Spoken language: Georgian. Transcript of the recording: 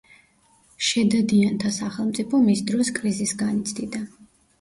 შედადიანთა სახელმწიფო მის დროს კრიზისს განიცდიდა.